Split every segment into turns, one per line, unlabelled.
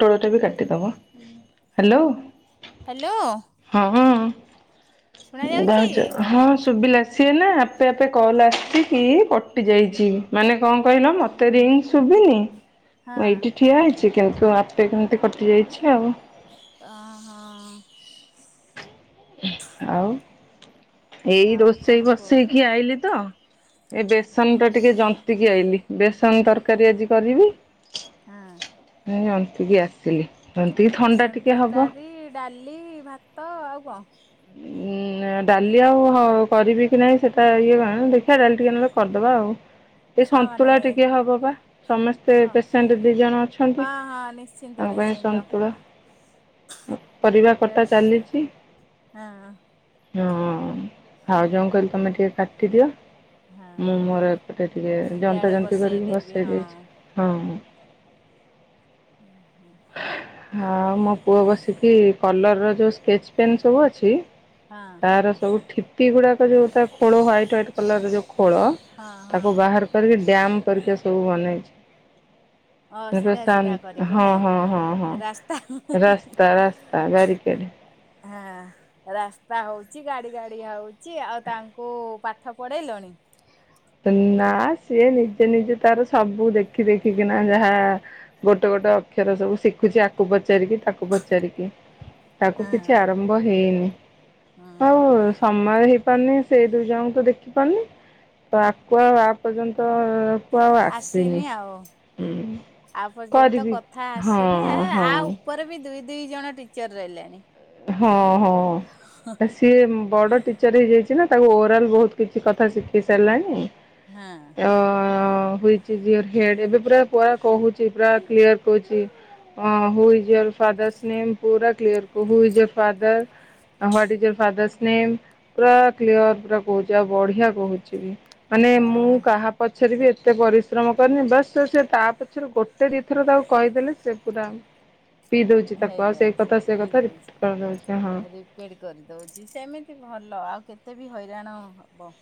ପୋଟୋଳଟା ବି କାଟିଦେବା hello.
Hello
ହଁ
ଶୁଣା ଯାଉଛି?
ଉଛ ହଁ ଶୁଭିଲା। ସିଏ ନା ଆପେ ଆପେ କଲ୍ ଆସିକିି କଟିଯାଇଛି ମାନେ କ ଣ କହିଲ ମୋତେ ରିଙ୍ଗ ଶୁଭିନି ମୁଁ
ହଁ।
ଏଇଠି ଠିଆ ହେଇଛି କିନ୍ତୁ ଆପେ କେମିତି କଟିଯାଇଛି ଆଉ
ଓ ହଁ
ଆଉ ଏଇ
ଆଉ କଣ
ରୋଷେଇ
କୁହ
ବସେଇ କି ଆଇଲି ତ ଏ ବେସନ ଟା ଟିକେ ଯନ୍ତ ନ୍ତି କି ଆଇଲି ବେସନ ତରକାରୀ ଆଜି କରିବି।
ହଁ।
ଜନ୍ତି କି ଆସିଲି ଏମିତିକି ଥଣ୍ଡା
ବେସନ
ଟିକେ ହବ।
ତରକାରୀ ଡାଲି ଭାତ ଆଉ କଣ?
ଡାଲି ଆଉ କରିବି କି ନାହିଁ ସେଟା ଇଏ କଣ ଦେଖିବା ଡାଲି ଟିକେ ନେଲେ କରିଦବା ଆଉ। ଏ
ଛୁଆ ମାନେ
ସନ୍ତୁଳା ଟିକେ ହବ ବା ସମସ୍ତେ
ହଁ
ପେସେଣ୍ଟ ଦି ଜଣ ଅଛନ୍ତି।
ହଁ ହଁ ନିଶ୍ଚିନ୍ତ
ତାଙ୍କ ପାଇଁ
ନିଶ୍ଚିନ୍ତ
ସନ୍ତୁଳା।
[inaudible]
ପରିବା କଟା
ବେଶ
ଚାଲିଛି
ହଁ।
ହଁ ଭାଉଜ ଙ୍କୁ କହିଲି ତମେ ଟିକେ କାଟିଦିଅ। ମୁଁ
ହଁ
ମୋର ଏପଟେ ଟିକେ ଜନ୍ତା
ଇଆଡେ
ଜନ୍ତୀ
ବସେଇ
କରିକି
ଦେବି
ବସେଇ
ହଁ।
ଦେଇଛି ହଁ।
ହୁଁ ହୁଁ
ହଁ ମୋ ପୁଅ ବସିକି କଲର୍ର ଯେଉଁ ସ୍କେଚ ପେନ୍ ସବୁ ଅଛି
ହଁ।
ସବୁ ଠିପି ଗୁଡାକ ଯୋଉ ତା ଖୋଳ ହାଇଟ୍ ହାଇଟ୍ କଲର ଯୋଉ ଖୋଳ
ହଁ ହଁ
ତାକୁ ବାହାର ରୀକି ଡ୍ୟାାମ ପରିକ ସବୁ ବନେଇଛି।
ଅ
ର
ସିଧା
ଶ
ସିଧା କରିକି
ହଁ
ନାଇଁ।
ହଁ ହଁ ହଁ
ରାସ୍ତା
ରାସ୍ତା ରାସ୍ତା ବାରିକେଡ।
ହଁ। ରାସ୍ତା ହଉଛି ଗାଡି ଗାଡି ହଉଛି ଆଉ ତାଙ୍କୁ ପାଠ ପଢେଇଲଣି?
ନା ସିଏ ନିଜେ ନିଜେ ତାର ସବୁ ଦେଖି ଦେଖିକିନା ଯାହା ଗୋଟେ ଗୋଟେ ଅକ୍ଷର ସବୁ ଶିଖୁଛି ଆକୁ ପଚାରିକି ତାକୁ ପଚାରିକି ତାକୁ
ହଁ।
କିଛି ଆରମ୍ ଆମ୍ଭ ହେଇନି
ହୁଁ
ଆଉ
ହୁଁ
ସମୟ ହେଇପାରୁନି ସେଇ ଦୁଇ ଜଣଙ୍କୁ ତ ଦେଖି ପାରୁନି। ତ ଆକୁଆଉ ଆ ପର୍ଯ୍ୟନ୍ତ କୁ ଆଉ
ଆସିନି ଆଉ
ହୁଁ
ଆପର୍ଯ୍ୟନ୍ତ
କରିବି
କଥା ଆସିନି ଆ
ହଁ
ଆ
ହଁ
ଆଉ ଉପରେ ବି ଦୁଇ ଦୁଇ ଜଣ ଟିଚର ରହିଲେଣି।
ହଁ ହଁ ସିଏ ବଡ ଟି ଚର୍ ହେଇଯାଇଛି ନା ତାକୁ ଓଭରଲ୍ ବହୁତ କିଛି କଥା ଶିଖେଇ ସାରିଲାଣି।
ହଁ।
ଅ ହୁଇଚ ଇଜ ୟୋର୍ ହେଡ ଏବେ ପୁରା ପୁରା କହୁଛି ପୁରା କ୍ଲିୟର କହୁଛି। ହଁ who is your father's name ପୁରା clear who is your? Father what is your father's name? ପୁରା କ୍ଲିୟର ପୁରା କହୁଛି ଆଉ ବଢିଆ କହୁଛି ବି ମାନେ
ହଁ
ମୁଁ କାହା ପଛରେ ବି ଏତେ ପରିଶ୍ରମ କରିନି ବାସ୍ ସେ ତା ପଛରେ ଗୋଟ ସେ ଦିଇ ଥର ତାକୁ କହିଦେଲେ ସେ ପୁରା ପିଇ ଦଉଛି ତାକୁ ଆଉ ସେଇ
ହେଇଯାଉଛି
କଥା ସେ
ପିଇ
କଥା
ଦଉଛି।
କରିଦଉଛି ହଁ।
ରିପେଡ କରିଦଉଛି ସେମିତି ଭଲ ଆଉ କେତେ ବି ହଇରାଣ ହବ।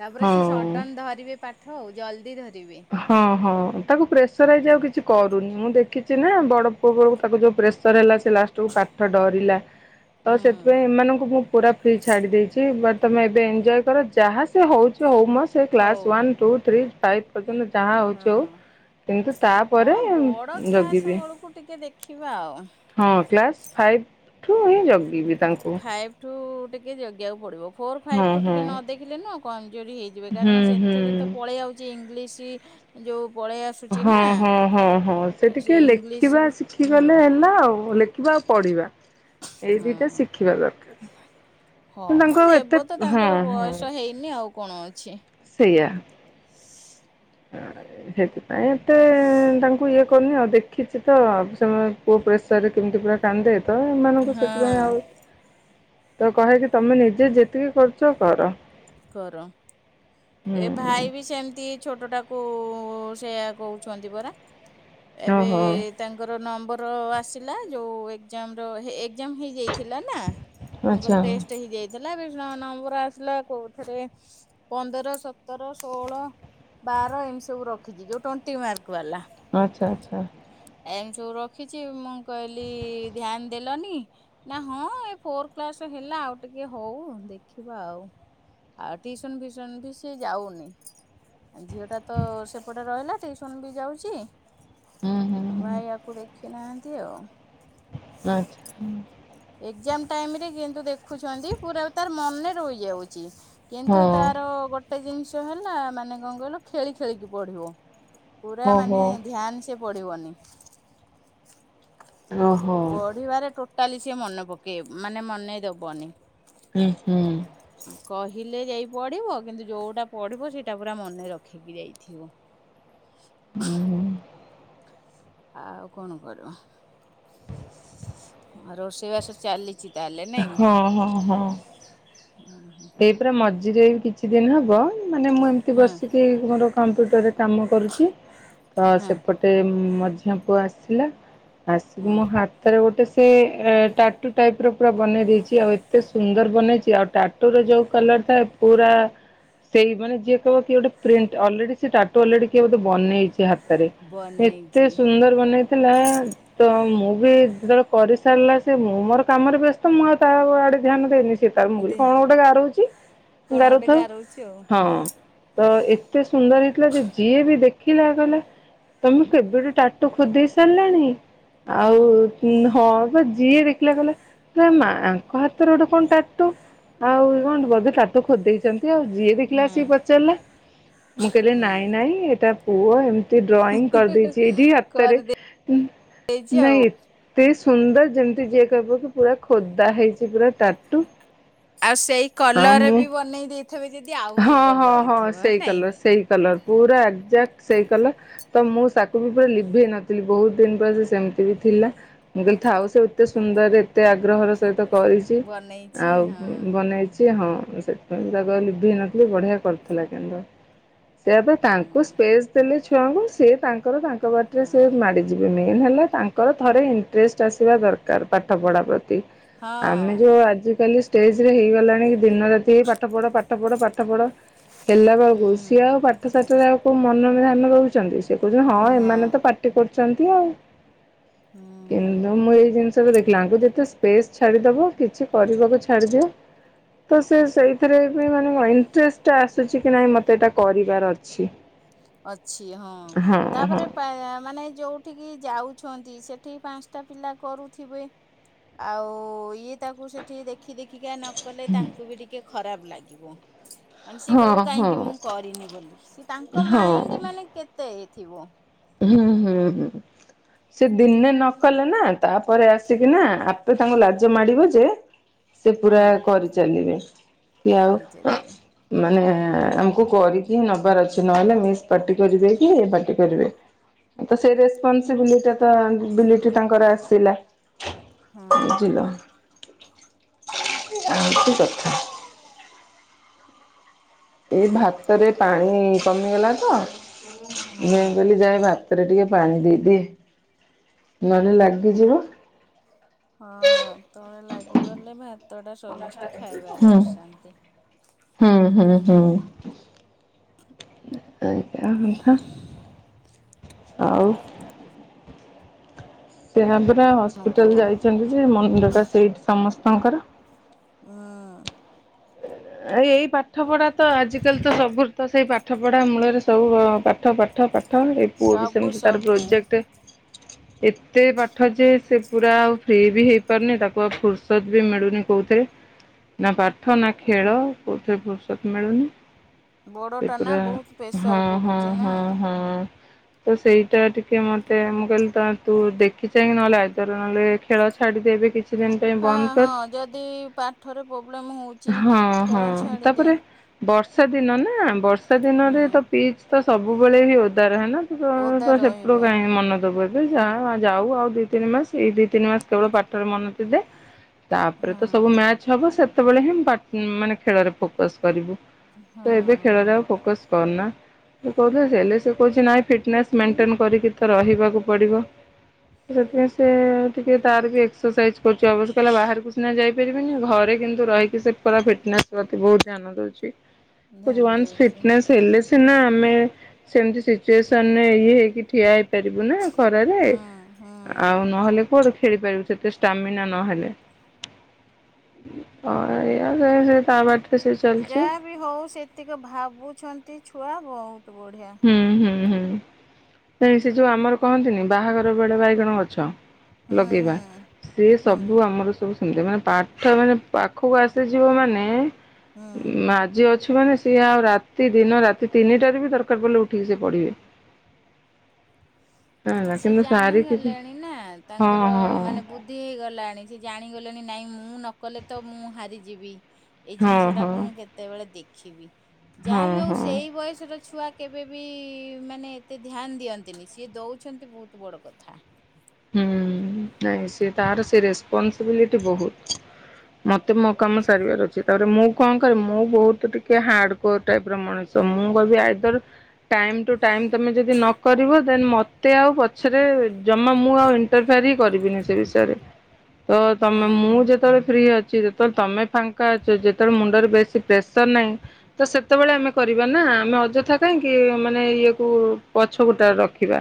ତାପରେ ସି
ହଁ।
ସଡନ ଧରିବେ ପାଠ ଆଉ ଜଲ୍ଦି ଧରିବେ।
ହଁ ହଁ ତାକୁ ପ୍ରେସରାଇଜ ଆଉ କିଛି କରୁନି ମୁଁ ଦେଖିଛି ନା ବଡ ପୁଅକୁ ବେଳ କୁ ତାକୁ ଯୋଉ ପ୍ରେସ ସର୍ ହେଲା ସେ ଲାଷ୍ଟକୁୁ ପାଠ ଡରିଲା।
[inaudible]
ତ ସେଥିପାଇଁ ଏମାନଙ୍କୁ ମୁଁ ପୁରା ଫ୍ରି ଛାଡ଼ି ଦେଇଛି ବଟ ତୁମେ ଏବେ ଏନ୍ଜୟ କର ଯାହା ସେ ହେଉଛି ହଉ ମଷ୍ ସେ
ହଉ
class one two three five ପର୍ଯ୍ୟନ୍ତ ଯାହା
ହଁ।
ହଉଛି ହଉ କିନ୍ତୁ ତାପରେ
ହଁ ବଡ଼ କ୍ଲାସ
ଜଗିବି।
ବେଳକୁ ଟିକେ ଦେଖିବା ଆଉ।
ହଁ କ୍ଲାସ ଫାଇଭ୍ ଠୁ ହିଁ ଜଗିବି। ତାଙ୍କୁ।
ଫାଇଭ ଟୁ ଟିକେ ଜଗିବାକୁ ପଡିବ ଫୋର ଫାଇଭ
ହଁ
ଟୁ
ହଁ
ଟିକେ ନ ଦେଖିଲେ ନ କମଜୋରି ହେଇଯି ଯିବେ
ହୁଁ
କାରଣ ସେଥିରେ ତ
ହୁଁ।
ପଳେଇ ଆଉଛି ଇଂଲିଶ ଯୋଉ ପଳେଇ ଆସୁ
ହଁ ହଁ ହଁ ହଁ ସେ ଟିକେ
ଇଂଲିଶ
ଲେଖିବା
ହୁଁ
ଶିଖିଗଲେ ହେଲା ଆଉ ଲେ ଖୀବା ଆଉ ପଢ଼ିବା।
ହଁ ହଁ
ତାଙ୍କୁ
ମ
ଆଉ ଏତେ
ଦେବ ତ
ହଁ
ତାଙ୍କର
ହଁ
ବୟସ ହେଇ ନି ଆଉ କଣ ଅଛି।
ସେଇଆ।
[inaudible]
ସେଥିପାଇଁ ଏତେ ତାଙ୍କୁ ଇଏ କରୁନି ଆଉ ଦେଖ ଖିଚି ତ ଆ ସେ ଅ ପୁଅ ପ୍ରେସର୍ରରେ କେମିତି ପୁରା କାନ୍ଦେ। ତ ଏମାନଙ୍କୁ ସେଥିପାଇଁ
ହଁ।
ଆଉ ତ କହେକି ତମେ ନିଜେ ଯେତିକି କରୁଚ କର।
କର।
ହୁଁ
ଏ ଭାଇ ବି ସେମିତି ଛୋଟଟାକୁ ସେୟା କହୁଛନ୍ତି ପରା। ଏବେ
ଓହୋ
ତାଙ୍କର ନମ୍ବର ଆସିଲା ଯୋଉ ଏକ୍ଜାମର ହେଏ ଏକ୍ଜାମ ହେଇଯାଇଥିଲା ନା
ଆଚ୍ଛା
ତାଙ୍କର ଟେଷ୍ଟ ହେଇଯାଇ ଦେଲା ବି ସ ନମ୍ବର ଆସିଲା କୋଉଥିରେ ପନ୍ଦର ସତର ଷୋହଳ ବାର ଏମିତି ସବୁ ରଖିଛି ଯୋଉ ଟ୍ୱେଣ୍ଟି ମାର୍କ ବାଲା।
ଆଚ୍ଛା ଆଚ୍ଛା।
ଏମତି ସବୁ ରଖିଚି ମୁଁ କହିଲି ଧ୍ୟାନ ଦେଲନି। ନା ହଁ ଏ ଫୋର କ୍ଲାସ ହେଲା ଆଉ ଟିକେ ହଉ ଦେଖିବା ଆଉ। ଆଉ ଟ୍ୟୁସନ୍ ଫ୍ୟୁସନ୍ ବି ସ୍ ସିଏ ଯାଉନି ଝିଅଟା ତ ସେପଟେ ରହିଲା ଟିଉସନ ବି ଯାଉଚି।
ହୁଁ ହୁଁ
ଆଉ ଭାଇ
ହୁଁ
ଆକୁ ଦେଖି ନାହାନ୍ତି ଆଉ।
ଆଚ୍ଛା ହୁଁ।
ଏକ୍ଜାମ ଟାଇମରେ କିନ୍ତୁ ଦେଖୁଚନ୍ତି ପୁରା ତାର ମନେ ରହିଯାଉଚି।
ହଁ
କିନ୍ତୁ ତାର ଗୋଟେ ଜିନିଷ ହେଲା ମାନେ କଣ କହିଲ ଖେଳି ଖେଳିିକି ପଢିବ। ପୁରା
ଓହୋ
ମାନେ ଧ୍ୟାନ ସେ ପଢିବନି।
ଓହୋ।
ପଢିବାରେ ଟୋଟାଲି ସିଏ ମନେ ପକେଇ ମାନେ ମନେଇ ଦବନି।
ହୁଁ ହୁଁ।
କହିଲେ ଯାଇ ପଡିବ କିନ୍ତୁ ଯୋଉଟା ପଢିବ ସେଇଟା ପୁରା ମନେ ରଖିକି ଯାଇଥିବ।
ଉଁ ହୁଁ।
ଆଉ କଣ କରିବ ଅ ରୋଷେଇବାସ ଚାଲି ଚି ତାହେଲେ ନାଇଁ
ହଁ ହଁ ହଁ।
ଉଁ ହୁଁ।
ଏଇ ପୁରା ମଝିରେ ଏଇ କିଛି ଦିନ ହବ ମାନେ ମୁଁ ଏମ୍ ମିତି
ହଁ
ବସିକି ଘର କମ୍ପ୍ୟୁଟରରେ କାମ କରୁଚି ତ
ହଁ
ସେପଟେ ତେ ମଝିଆ ପୁଅ ଆସିଲା ଆସିକି
ହଁ।
ମୋ ହାତ ରେ ଗୋଟେ ସେ ଟାଟୁ ଟାଇପର ପୁରା ବନେଇ ଦେଇଛି ଆଉ ଏତେ ସୁନ୍ଦର ବନେଇଚି ଆଉ ଟାଟୁ ରେ ଯୋଉ କଲର ଥାଏ ପୁରା ସେଇ ବନେ ଯିଏ କହିବ କି ଗୋଟେ ପ୍ରିଣ୍ଟ ଅଲରେଡି ସେ ଟାଟୁ ଅଲରେଡି କିଏ ବୋଧେ ବନେଇଚି ହା ତରେ ଏତେ
ବନେଇଚି
ସୁନ୍ଦର ବନେଇଥିଲା ତ ମୁଁ ବି ଯେତେବେଳେ କରିସାରିଲା ସେ ମୁଁ ମୋର କାମରେ ବ୍ୟସ୍ତ ମୁଁ ଆଉ ତା ଆଡେ ଧ୍ୟାନ ଦେଇନି ସେ ତା ମୁ
ଦେ
କଣ ଗୋଟେ ଗାରଉଚି
କଣ ଗୋଟେ
ଗାରଉଥାଉ
ଗାରଉଛି ଆଉ।
ହଁ। ତ ଏତେ ସୁନ୍ଦର ହେଇଥିଲା ଯେ ଯିଏ ବି ଦେଖିଲା କହିଲା ତମେ କେବେଠୁ ଟାଟୁ ଖୋଦେଇ ସାରିଲାଣି ଆଉ
ହଁ
ଉଁ ହଁ। ବା ଯିଏ ଦେଖିଲା କହିଲା ଇଲୋ ମା ଆଙ୍କ ହାତରେ କଣ ଗୋଟେ ଟାଟୁ। ଆଉ [unintelligible] ଏବେ ଟାଟୁ ଖୋଦେଇଚ କି ଆଉ ଯିଏ ଦେଖିଲା ସିଏ
ହଁ
ପଚାରିଲା ମୁଁ କହିଲି
ହଁ।
ନାଇଁ ନାଇଁ ଏଟା ପୁଅ ଏମ ମିତି ଡ୍ରଇଂ କରିଦେଇଚି ଏଇଠି ହାତରେ
କରିଦେ
ହୁ
ଦେଇଚି ଆଉ।
ନାଇଁ ଏ ଏତେ ସୁନ୍ଦର ଯେମିତି ଯିଏ କହିବ କି ପୁରା ଖୋଦା ହେଇଚି ପୁରା ଟାଟୁ।
ଆଉ ସେଇ
ଆଉ
କଲର
ମୁଁ
ବି ବନେଇ ଦେଇଥିବେ ଯଦି ଆହୁରି
ହଁ ହଁ
ଭଲ
ହଁ
ହେଇଥିବ
ସେଇ
ନାଇଁ।
କଲର ସେଇ କଲର। ପୁରା ଏକ୍ଜାଟ ସେଇ କଲର। ତ ମୁଁ ସାକୁ ବି ପୁରା ଲିଭେଇ ନଥିଲି, ବୋହୁତ ଦିନ [unintelligible] ସେମିତି ବି ଥିଲା। ମୁଁ କହିଲି ଥାଉ ସେ ଏତେ ସୁନ୍ଦରରେ ଏତେ ଆଗ୍ରହର ସହିତ କରିଛି
ବନେଇଛି
ଆଉ
ହଁ
ବନେଇଚି ହଁ ସେଥିପାଇଁ ତାକୁ ଆଉ ଲିଭେଇ ନଥିଲି ବଢିଆ କରିଥିଲା କିନ୍ତୁ। ସେୟା ପା
ହୁଁ
ତାଙ୍କୁ
ହୁଁ
ସ୍ପେସ ଦେଲେ ଛୁଆଙ୍କୁ ଡିଏ ତାଙ୍କର ତାଙ୍କ ବାଟରେ ସିଏ
ହଁ।
ମାଡି [unintelligible] ହେଲେ ତାଙ୍କର ଥରେ ଇନ୍ଟ୍ରେଷ୍ଟ ଆସିବା ଦରକାର ପାଠପଢ଼ା ପ୍ରତି। ଆମେ
ହଁ
ଯୋଉ ଆଜିକାଲି ଷ୍ଟେଜ ରେ ହେଇଗଲାଣି କି ଦିନ ରା ତି ପାଠପଢ ପାଠପଢ ପାଠପଢ ହେଲା ବେଳୁକୁ ସିଏ
ହୁଁ
ଆଉ ପା ଠସାଠ ରେ ଆଉ କୋଉ ମନ ଧ୍ୟାନ ଦୋଉଚନ୍ତି ସିଏ କୋହୁଚନ୍ତି ହଁ
ନା
ଏମାନେ ତ ପାଟି କରୁଛନ୍ତି ଆଉ।
ହୁଁ।
କିନ୍ତୁ ମୁଁ ଏଇ ଜିନିଷ ବି ଦେଖିଲା ୟାଙ୍କୁ ଯେତେ ସ୍ପେସ ଛାଡିଦବ କିଛି କରିବାକୁ ଛାଡ଼ିଦିଅ ତ ସିଏ ସେଇ ଥିରେ ବି ମାନେ କଁ ଇଣ୍ଟ୍ରେଷ୍ଟେ ଆସି ଚିକି ନାଇଁ ମତେ ଏଟା କରିବାର ଅଛି।
ଅଛି ହଁ, ତାପରେ [unintelligible] ମାନେ ଏଇ ଯୋଉ ଠିକି ଯାଉଛନ୍ତି ସେଠିବି ପାନ୍ସଟା ପିଲା କରୁଥିବେ। ଆଉ ଇଏ ତାକୁ ସେଠି ଦେ ଖି ଦେଖିକା ନ କଲେ ତାଙ୍କୁ ବି ଟିକେ ଖରାପ ଲାଗିବ, ମାନ କହିବ
ହଁ ହଁ
କାହିଁକି ମୁଁ କରିନି ବୋଲି, ସିଏ ତାଙ୍କ
ହଁ
ମାଇଣ୍ଡ ମାନେ କେତେ ଥିବ?
ହୁଁ ହୁଁ ହୁଁ ସିଏ ଦିନେ ନ କଲେ ନା, ତାପରେ ଆସିକି ନା [unintelligible] ତାଙ୍କୁ ଲାଜ ମାଡିବ ଯେ ସେ ପୁରା
ହଁ
କରି ଚାଲିବେ [unintelligible]
କରି ଚାଲିବେ
ଆଉ ମାନେ ଆମୁକୁ କରିକିି ନବାର ଅଛି ନହେଲେ ମିସ୍ ପାଟି କରିବେ [unintelligible] ପାର୍ଟି କରିବେ। ହଁ ତ ସେଇ ରେସ୍ପନ୍ସବିଲି ଟା ତ ବିଲିଟି ତାଙ୍କର ଆସିଲା।
ହଁ
[unintelligible] ଏଇ ଭାତରେ ପାଣି କମିଗଲା ତ [unintelligible]
ହଁ।
କହିଲି ଯାଏ ଭାତରେ ଟିକେ ପାଣି ଦେଇଦିଏ, ନହେଲେ ଲାଗିଯିବ।
ହଁ ତଳେ ଲାଗିଗଲେ ଭାତ ଟା ସମସ୍ତେ ଖାଇବାରେ
ହୁଁ
ଅସାନ୍ତି।
ହୁଁ ହୁଁ ହୁଁ। [unintelligible] କଥା ଆଉ। [unintelligible] ପରା
ହଁ କୁହ।
ହସ୍ପିଟାଲ ଯାଇଚନ୍ତି ଯେ, ମୁଣ୍ଡଟା ସେଇଠି ସମସ୍ତଙ୍କର।
ହୁଁ।
[unintelligible] ଏଇ ପାଠପଢ଼ା ତ ଆଜିକାଲି ତ ସବୁ ତ ସେଇ ପାଠପଢ଼ା ମୂଳରେ ସବୁ ଅଁ ପାଠ ପାଠ ପାଠ ଏ ପୁଅ ବି
ସବୁ
ସେମିତି ତାର
ସବୁ
ପ୍ରୋଜେକ୍ଟେ ଏତେ ପାଠ ଯେ ସେ ପୁରା ଆଉ ଫ୍ରି ବି ହେଇପାରୁନି ତାକୁ ଆଉ ଫୁର୍ସ ତ୍ ବି ମିଳୁନି କୋଉଥିରେ ନା ପାଠ ନା ଖେଳ କୋଉଥିରେ ଫୁର ସତ୍ ମିଳୁନି
ଗୋଡ
ସେ
ଟା ନା
ପୁରା
ବହୁତ
ହଁ
ପ୍ରେସର
ହଁ
ପଡୁଛି ନା।
ହଁ ହଁ। ତ ସେଇଟା ଟିକେ ମତେ ମୁଁ କହିଲି ତ ତୁ ଦେଖି ଚାହିଁକି ନହେଲେ [unintelligible] ନହେଲେ ଖେଳ ଛାଡିଦେବି କିଛି ଦିନ ପାଇଁ ବନ୍ଦ
ହେଁ ହଁ
କର।
ଯଦି ପାଠରେ ପୋବ୍ଲେମ ହୋଉଚି
ହଁ ହଁ
ଖେଳ ଛାଡିଦେ।
ତାପରେ ବର୍ଷା ଦିନ ନା ବର୍ଷା ଦିନରେ ତ
ହୁଁ।
ପିଚ ତ ସବୁବେଳେ ହିଁ ଓଦା ରହେ ନା।
ଓଦା
[unintelligible]
ରହିବ।
ମନ ଦୋବୁ ଏ [unintelligible] ଯାଉ ଆଉ ଦିଇ ତିନି ମାସ ଏଇ ଦିଇ ତିନି ମାସ କେବଳ ପାଠରେ ମନ ଦେଇ ଦେ। ତାପରେ
ହଁ
ତ ସବୁ ମ୍ୟାଚ ହବ ସେତୋବୋଳେ ହିଁ ପା ଉଁ ମାନେ ଖେଳରେ ଫୋକସ୍ କରିବୁ। ତ ଏବେ
ହଁ
ଖେଳରେ ଆଉ ଫୋକସ୍ କରନା ମୁଁ କୋହୁଥିଲି [unintelligible] ହେଲେ ସିଏ କୋହୁଚି ନାଇଁ ଫିଟନେସ୍ ମେଣ୍ଟେନ୍ କରିକି ତ ରହିବାକୁ ପଡ଼ିବ। ତ ସେଥିପାଇଁ ସିଏ ଟିକେ ତାର ବି ଏକ୍ସରସାଇଜ୍ କରୁଚି ଅବଶ୍ୟ କହଲା ବାହାରୁକୁ ସିନା ଯାଇପାରିବିନି ଘରେ କିନ୍ତୁ ରହିକି ସିଏ ପୁରା ଫିଟନେସ୍ ପ୍ରତି ବୋହୁତ ଧ୍ୟାନ ଦୋଉଚି କୋହୁଚି
ଧ୍ୟାନ
ୱାନସ୍
ଦଉଛି।
ଫିଟନେସ୍ ହେଲେ ସିନା ଆମେ ସେମିତି ସି ଚୁଏସନ୍ ଇଏ ହେଇକି ଠିଆ ହେଇପାରିବୁ ନା ଖରାରେ
ହୁଁ ହୁଁ।
ଆଉ ନହେଲେ କୁଆଡୁ ଖେଳି ପାରିବୁ ସେତେ ଷ୍ଟାମିନା ନହେଲେ। ହଁ ଏଇଆ ସେ ତା ବାଟରେ ସେ ଚାଲିଛି।
ଯାହା ବି ହଉ ସେତିକି ଭାବୁଛନ୍ତି ଛୁଆ ବହୁତ ବଢିଆ।
ହୁଁ ହୁଁ ହୁଁ ନାଇ ସେ ଯୋଉ ଆମର କହନ୍ତିନି ବାହାଘର ବେଳେ ବାଇଗଣ ଗଛ
ହୁଁ
ଲଗେଇବା
ହୁଁ
ସି
ହୁଁ।
ସବୁ ଆମର ସବୁ ସେମିତିଆ ମାନେ ପା ଛୁଆମାନେ ପାଖକୁ ଆସିଯିବ ମାନେ
ହୁଁ।
ମାଜି ଅଛୁ ମାନେ ସିଏ ଆଉ ରାତି ଦିନ ରାତି ତିନିଟାରେ ବି ତାର ମାନେ ସିଏ ପଢିବେ।
ସିଏ ଜାଣିଗଲେଣି ନା
ହଁ
ତାଙ୍କର
ହଁ
ମାନେ ବୁଧ ବୁଦ୍ଧି ହେଇଗଲାଣି ସେ ଜାଣିଗଲେଣି ନାଇଁ ମୁଁ ନ କଲେ ତ ମୁଁ ହାରିଯିବି। ଏଇ
ହଁ ହଁ
ଜିନିଷଟାକୁ ମୁଁ କେତେବେଳେ ଦେଖିବି
ହଁ
ଯାହାବି ହଉ
ହଁ।
ସେଇ ବୟସର ଛୁଆ କେବେବି ମାନେ ଏତେ ଧ୍ୟାନ ଦିଅନ୍ତିନି ସିଏ ଦଉଛନ୍ତି ବହୁତ ବଡ କଥା।
ହୁଁ ନାଇଁ ସେ ତାର ସେ ରେସପନସିବିଲିଟି ବହୁତ। ମତେ ମୋ କାମ ସାରିବାର ଅଛି ତାପରେ ମୁଁ କଣ କରିବି ମୁଁ ବହୁତ ଟିକେ ହାର୍ଡ କୋର ଟାଇପର ମଣିଷ ମୁଁ କହିବି ଆଇଦର ଟାଇମ ଟୁ ଟାଇମ ତମେ ଯଦି ନ କରିବ ଦେନ ମତେ ଆଉ ପଛରେ ଜମା ତ ମୁଁ ଆଉ ଇଣ୍ଟରଫିୟର ହି କରିବିନି ସେ ବିଷୟରେ ତ
ହଁ।
ତମେ ମୁଁ ଯେତେବେଳେ ଫ୍ରି ଅଛି। ତମେ ଫା ଫାଙ୍କା ଅଛ ଯେତେବେଳେ ମୁଣ୍ଡରେ ବେଶୀ ପ୍ରେସର ନାହିଁ ତ ସେତେବେଳେ ଆମେ କରିବା ନା ଆମେ ଅଯଥା କାଇଁକି ମାନେ ଇଏ କୁ ପଛକୁ ତାର ରଖିବା।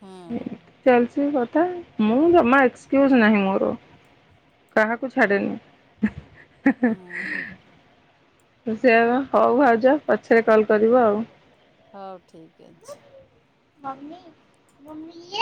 ହଁ
ଚାଲିଛି କଥା ମୁଁ ଜମା ଏକ୍ସକ୍ୟୁଜ ନାହିଁ ମୋର କାହାକୁ ଛାଡ଼େନି।
ହଁ
ସେଇଆ ପା ହଉ ଭାଉଜ ପଛରେ କଲ୍ କରିବ ଆଉ।
ହଉ ଠିକ ଅଛି।
ମମି ମମି ୟେ।